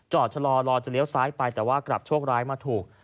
ชะลอรอจะเลี้ยวซ้ายไปแต่ว่ากลับโชคร้ายมาถูก